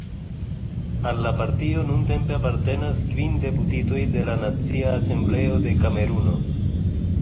Al la partio nuntempe apartenas kvin deputitoj de la Nacia Asembleo de Kameruno.